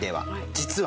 実は？